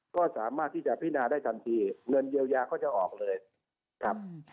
ก็สามารถที่จะพินาได้ทันทีเงินเยียวยาก็จะออกเลยครับ